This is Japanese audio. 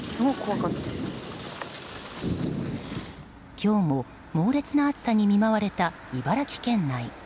今日も猛烈な暑さに見舞われた茨城県内。